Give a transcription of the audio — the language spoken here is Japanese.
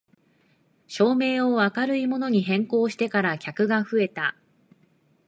照明を明るいものに変更してから客が増えた